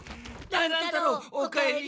乱太郎お帰り。